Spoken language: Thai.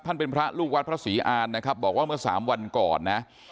เป็นพระลูกวัดพระศรีอานนะครับบอกว่าเมื่อสามวันก่อนนะ